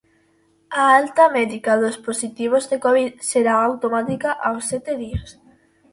A alta médica dos positivos de covid será automática aos sete días.